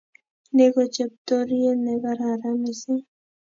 Ni ko cheptoriet ne kararan mising